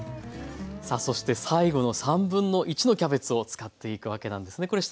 さあそして最後の1/3のキャベツを使っていくわけなんですね。